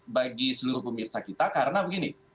bagi seluruh pemirsa kita karena begini